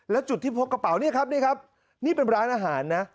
แล้วจุดที่พบกระเป๋านี่ครับนี่ครับนี่เป็นร้านอาหารนะ